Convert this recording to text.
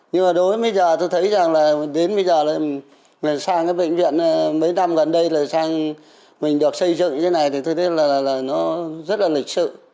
nhưng mà đối với bây giờ tôi thấy rằng là đến bây giờ là sang cái bệnh viện mấy năm gần đây là mình được xây dựng như thế này thì tôi thấy là nó rất là lịch sự